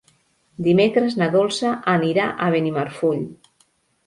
Dimecres na Dolça anirà a Benimarfull.